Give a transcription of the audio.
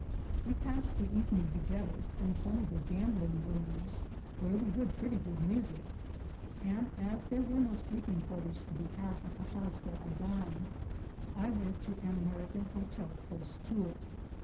We passed the evening together in some of the gambling rooms, where we heard pretty good music; and as there were no sleeping quarters to be had at the house where I dined, I went to an American hotel close to it.